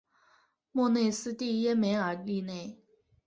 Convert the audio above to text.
莫内斯蒂耶梅尔利内。